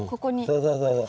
そうそうそうそう。